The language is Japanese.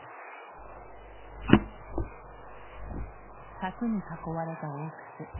柵に囲われた大楠。